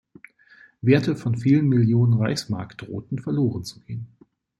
Werte von vielen Millionen Reichsmark drohten verloren zu gehen.